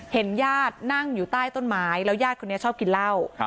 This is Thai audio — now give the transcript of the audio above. เห็นญาตินั่งอยู่ใต้ต้นไม้แล้วญาติคนนี้ชอบกินเหล้า